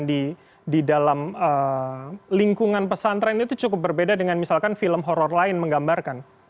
di dalam lingkungan pesantren itu cukup berbeda dengan misalkan film horror lain menggambarkan